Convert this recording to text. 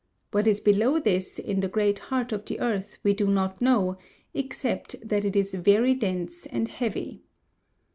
What is below this in the great heart of the earth we do not know, except that it is very dense and heavy.